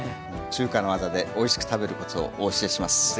中華の技でおいしく食べるコツをお教えします。